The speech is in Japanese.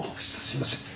すいません。